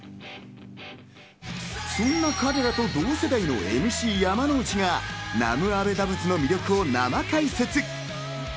そんな彼らと同世代のＭＣ・山之内が南無阿部陀仏の魅力を生解説。